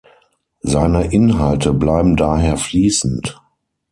Seine Inhalte blieben daher fließend.